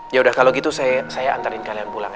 yaudah kalau gitu saya antarin kalian pulang ya